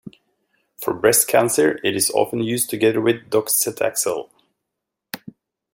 For breast cancer it is often used together with docetaxel.